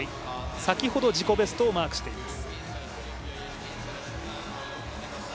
先ほど自己ベストをマークしています。